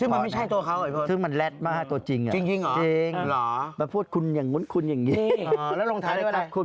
นี่จะถามว่าวันถึงกลุ่มพ่ออันนรณ์มีเป็นอีกหนึ่งคน